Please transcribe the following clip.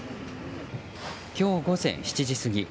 今日、午前７時過ぎ